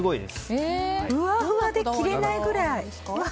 ふわふわで切れないくらい。